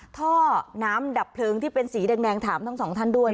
ท่อน้ำดับเพลิงที่เป็นสีแดงถามทั้งสองท่านด้วย